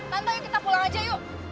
tante kita pulang aja yuk